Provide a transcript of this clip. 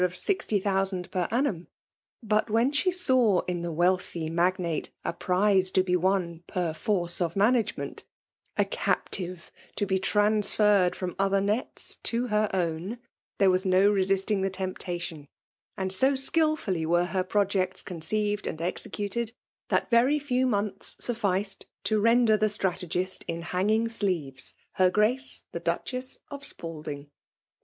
of sixty thousand per annum ; but when she saw in the wealthy magnate a prize to be won per force of management, a captive to be trans ferred from other nets to her own, there was no resisting the temptation ; and so skilfully were her projects conceived and executed/ that Very few months sufficed to render the strate gist in hanging sleeves — ^her Grace the Duchess of Spalding.